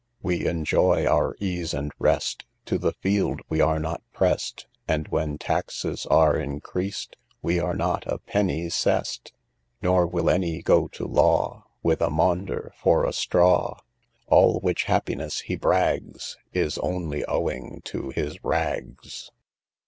IV. We enjoy our ease and rest, To the field we are not press'd; And when taxes are increased, We are not a penny sess'd. V. Nor will any go to law With a Maunder {58e} for a straw; All which happiness, he brags, Is only owing to his rags.